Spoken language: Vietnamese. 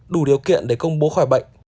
đủ điều kiện để công bố khỏi bệnh